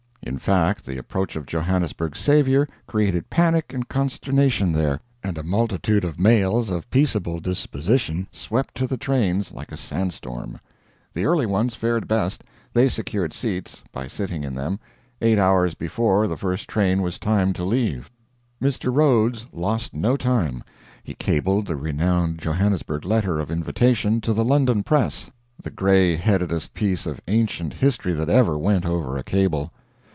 In fact, the approach of Johannesburg's saviour created panic and consternation there, and a multitude of males of peaceable disposition swept to the trains like a sand storm. The early ones fared best; they secured seats by sitting in them eight hours before the first train was timed to leave. Mr. Rhodes lost no time. He cabled the renowned Johannesburg letter of invitation to the London press the gray headedest piece of ancient history that ever went over a cable.